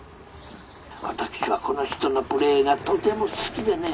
私はこの人のプレーがとても好きでね」。